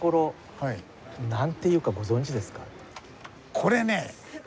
これね！